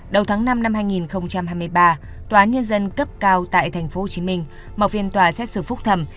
đầu tháng năm năm hai nghìn hai mươi ba tòa án nhân dân cấp cao tại tp hcm mở phiên tòa xét xử phúc thẩm